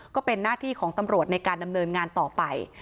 ก็เป็นหน้าที่ของตำรวจในการดำเนินงานต่อไป